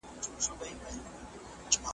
د یاغي کوترو ښکار ته به یې وړلې .